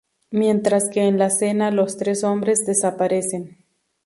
Mientras que en la cena los tres hombres desaparecen.